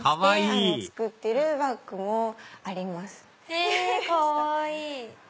へぇかわいい！